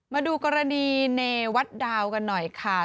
มาดูกรณีเนวัดดาวกันหน่อยค่ะ